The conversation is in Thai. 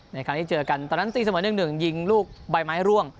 ครั้งที่เจอกันตอนนั้นตีเสมอ๑๑ยิงลูกใบไม้ร่วง